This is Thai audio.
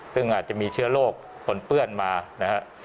ซึ่งอาจจะมีเชื้อโรคปนเปื้อนมานะครับ